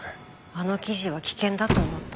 あの記事は危険だと思った。